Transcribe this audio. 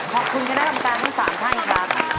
ขอบคุณคุณกันแล้วคำตามทั้ง๓ท่านครับ